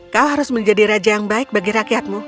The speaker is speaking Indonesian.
kau harus menjadi raja yang baik bagi rakyatmu